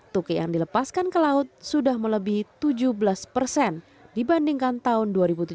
tukik yang dilepaskan ke laut sudah melebihi tujuh belas persen dibandingkan tahun dua ribu tujuh belas